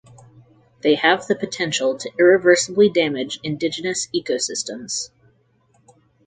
They have the potential to irreversibly damage indigenous ecosystems.